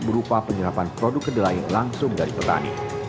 berupa penyerapan produk kedelai langsung dari petani